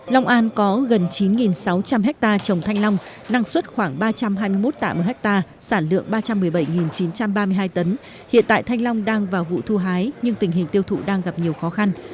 long an có gần chín sáu trăm linh hectare trồng thanh long năng suất khoảng ba trăm hai mươi một tạ một ha sản lượng ba trăm một mươi bảy chín trăm ba mươi hai tấn hiện tại thanh long đang vào vụ thu hái nhưng tình hình tiêu thụ đang gặp nhiều khó khăn